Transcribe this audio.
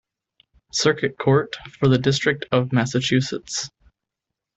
Circuit Court for the District of Massachusetts.